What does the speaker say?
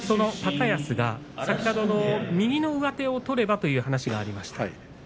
高安が先ほど右の上手を取ればという話がありました。